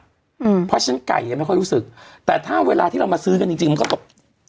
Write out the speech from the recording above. เพราะฉะนั้นไก่ยังไม่ค่อยรู้สึกแต่ถ้าเวลาที่เรามาซื้อกันจริงจริงมันก็แบบ